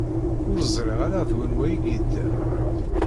Ur ẓṛiɣ ara d wanwa i yedda.